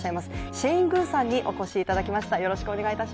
シェイン・グウさんにお越しいただきました。